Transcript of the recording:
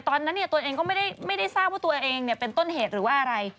ตอนนั้นตัวเองก็ไม่ได้ทราบว่าตัวเองเป็นต้นเหตุหรือว่าอะไร